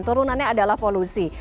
turunannya adalah polusi